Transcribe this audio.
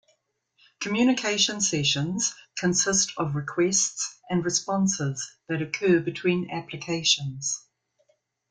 Communication sessions consist of requests and responses that occur between applications.